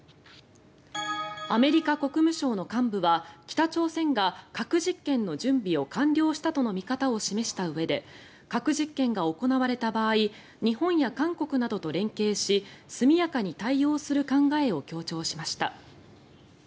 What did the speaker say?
アメリカ国務省の幹部は北朝鮮が核実験の準備を完了したとの見方を示したうえで核実験が行われた場合日本や韓国などと連携し速やかに対応する考えを強調しました。